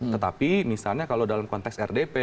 tetapi misalnya kalau dalam konteks rdp